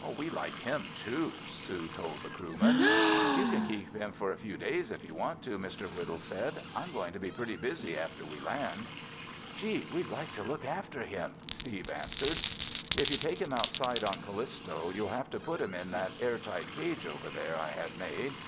"We like him, too," Sue told the crewman. "You can keep him for a few days if you want to," Mr. Whittle said. "I'm going to be pretty busy after we land." "Gee, we'd like to look after him!" Steve answered. "If you take him outside on Callisto, you'll have to put him in that air tight cage over there I had made.